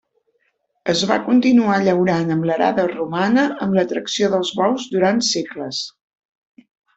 Es va continuar llaurant amb l'arada romana amb la tracció dels bous durant segles.